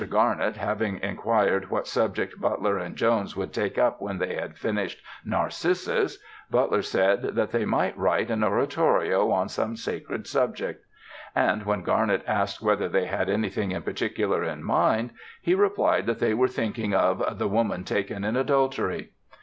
Garnett having inquired what subject Butler and Jones would take up when they had finished "Narcissus," Butler said that they "might write an oratorio on some sacred subject"; and when Garnett asked whether they had anything in particular in mind, he replied that they were thinking of "The Woman Taken in Adultery."